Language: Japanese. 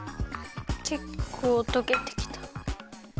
けっこうとけてきた。